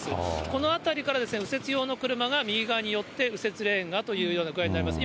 この辺りから右折用の車が右側に寄って、右折レーンへという具合になります。